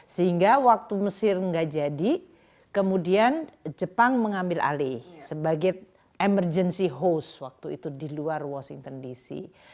sehingga waktu mesir nggak jadi kemudian jepang mengambil alih sebagai emergency host waktu itu di luar washington dc